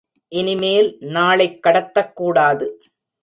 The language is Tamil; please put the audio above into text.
இனிமேல் நாளைக் கடத்தக்கூடாது.